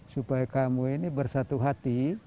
supaya kamu ini bersatu hati